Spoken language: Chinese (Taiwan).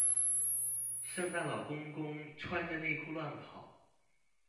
聖誕老公公，穿著內褲亂跑